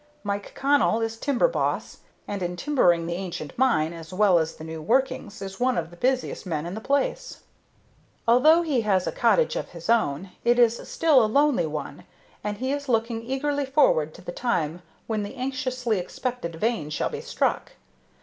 Mike Connell is timber boss, and, in timbering the ancient mine, as well as the new workings, is one of the busiest men in the place. Although he has a cottage of his own, it is still a lonely one, and he is looking eagerly forward to the time when the anxiously expected vein shall be struck.